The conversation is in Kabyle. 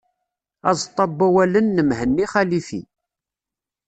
Aẓeṭṭa n wawalen n Mhenni Xalifi.